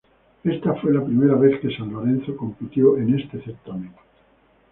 Ésta fue la primera vez que San Lorenzo compitió en este certamen.